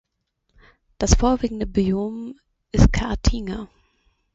Das vorwiegende Biom ist Caatinga.